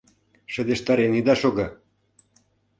Шыдештарен ида шого!..